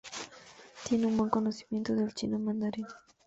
Tiene un buen conocimiento del chino mandarín.